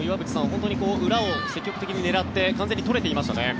本当に裏を積極的に狙って完全に取れていましたね。